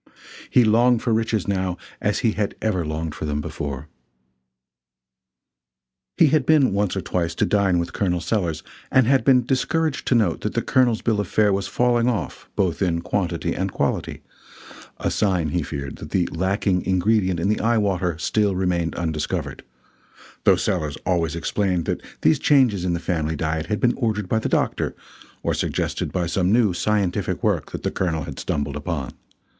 He longed for riches now as he had never longed for them before. He had been once or twice to dine with Col. Sellers, and had been discouraged to note that the Colonel's bill of fare was falling off both in quantity and quality a sign, he feared, that the lacking ingredient in the eye water still remained undiscovered though Sellers always explained that these changes in the family diet had been ordered by the doctor, or suggested by some new scientific work the Colonel had stumbled upon.